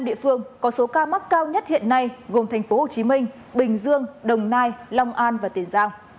năm địa phương có số ca mắc cao nhất hiện nay gồm thành phố hồ chí minh bình dương đồng nai long an và tiền giang